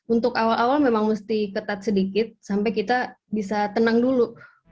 untuk awal awal memang mesti ketat sedikit sampai kita bisa tenang dulu